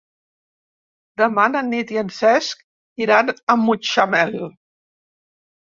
Demà na Nit i en Cesc iran a Mutxamel.